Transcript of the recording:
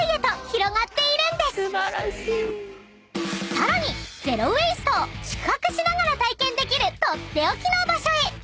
［さらにゼロ・ウェイストを宿泊しながら体験できる取って置きの場所へ］